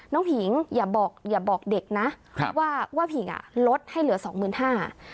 น้องผิงอย่าบอกเด็กนะว่าผิงลดให้เหลือ๒๕๐๐๐บาท